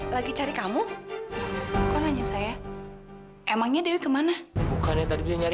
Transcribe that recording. sampai jumpa di video selanjutnya